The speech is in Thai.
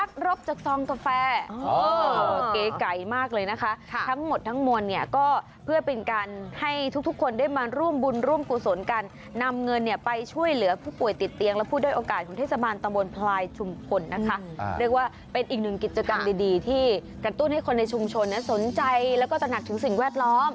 เก๋ไก่มากเลยนะคะทั้งหมดทั้งมนตร์เนี่ยก็เพื่อเป็นการให้ทุกคนได้มาร่วมบุญร่วมกุศลการนำเงินเนี่ยไปช่วยเหลือผู้ป่วยติดเตียงแล้วพูดด้วยโอกาสของเทศบาลตำบลพลายชุมพลนะคะเรียกว่าเป็นอีกหนึ่งกิจกรรมดีที่กระตุ้นให้คนในชุมชนเนี่ยสนใจแล้วก็ตระหนักถึงสิ่งแวดล้อม